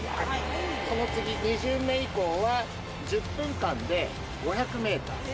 その次２巡目以降は１０分間で５００メーター。